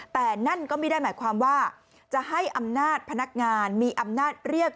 แต่นั่นก็ไม่ได้หมายความว่าจะให้อำนาจพนักงานมีอำนาจเรียก